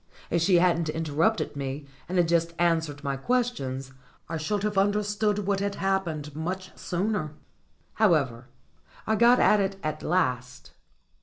If she hadn't interrupted me, and had just answered my questions, I should have understood what had happened much sooner. However, I got at it at last.